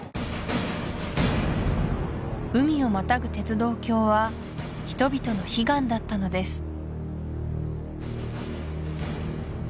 海をまたぐ鉄道橋は人々の悲願だったのです